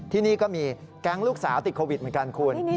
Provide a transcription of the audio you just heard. ที่นี่ก็มีแก๊งลูกสาวติดโควิดเหมือนกันคุณ